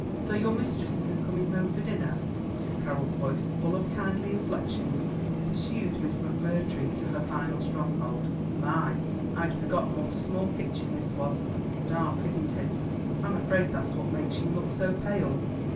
"So your mistress isn't coming home for dinner?" Mrs. Carroll's voice full of kindly inflections pursued Miss McMurtry to her final stronghold. "My! I'd forgotten what a small kitchen this was. Dark, isn't it? I'm afraid that's what makes you look so pale.